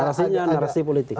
narasinya narasi politik